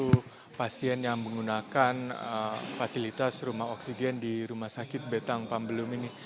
untuk pasien yang menggunakan fasilitas rumah oksigen di rumah sakit betang pambelum ini